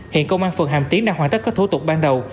hiện công an phường hàm tiến đang hoàn tất các thủ tục ban đầu